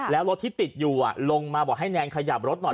แล้วรถที่ติดอยู่ลงมาบอกให้แนนขยับรถหน่อย